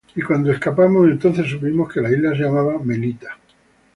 Y cuando escapamos, entonces supimos que la isla se llamaba Melita.